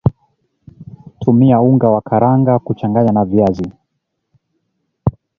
tumia unga wa karanga kuchanganya na viazi